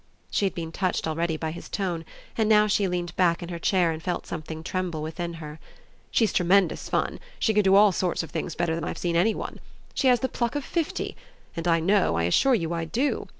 She had been touched already by his tone, and now she leaned back in her chair and felt something tremble within her. "She's tremendous fun she can do all sorts of things better than I've ever seen any one. She has the pluck of fifty and I know; I assure you I do.